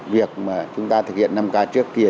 việc mà chúng ta thực hiện năm ca trước kia